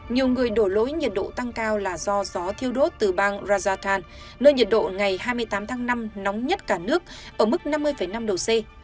nhiều người đổ lỗi nhiệt độ tăng cao là do gió thiêu đốt từ bang rajakhan nơi nhiệt độ ngày hai mươi tám tháng năm nóng nhất cả nước ở mức năm mươi năm độ c